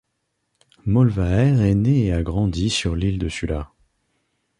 Molvær est né et a grandi sur l'île de Sula.